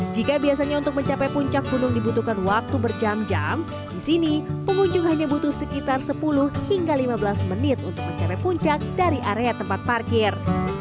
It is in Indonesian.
jika biasanya untuk mencapai puncak gunung dibutuhkan waktu berjam jam di sini pengunjung hanya butuh sekitar sepuluh hingga lima belas menit untuk mencapai puncak dari area tempat parkir